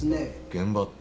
「現場」って？